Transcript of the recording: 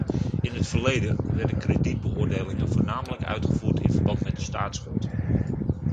In het verleden werden kredietbeoordelingen voornamelijk uitgevoerd in verband met de staatsschuld.